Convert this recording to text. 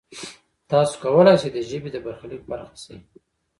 تاسو کولای شئ د ژبې د برخلیک برخه شئ.